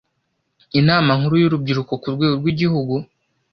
inama nkuru y’urubyiruko ku rwego rw’igihugu